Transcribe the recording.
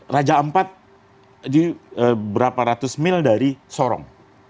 raja ampat berapa ratus mil dari sorong